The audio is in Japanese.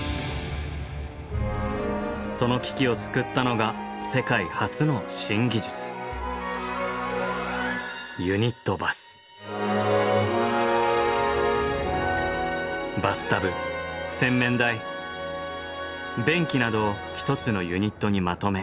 その危機を救ったのがバスタブ洗面台便器などを１つのユニットにまとめ